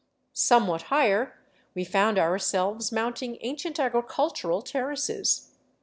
Somewhat higher we found ourselves mount ing ancient agricultural terraces.